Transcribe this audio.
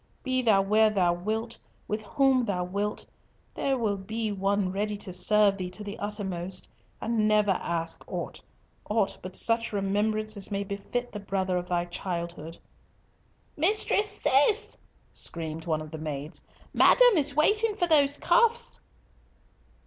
Be thou where thou wilt, with whom thou wilt, there will be one ready to serve thee to the uttermost, and never ask aught—aught but such remembrance as may befit the brother of thy childhood—" "Mistress Cis," screamed one of the maids, "madam is waiting for those cuffs."